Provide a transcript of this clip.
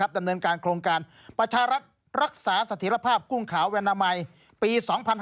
ดำเนินการโครงการประชารัฐรักษาเสถียรภาพกุ้งขาวแวนามัยปี๒๕๕๙